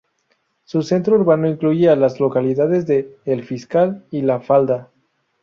Su centro urbano incluye a las localidades de El Fiscal y La Falda.